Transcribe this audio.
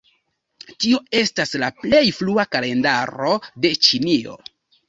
Tio estas la plej frua kalendaro de Ĉinio.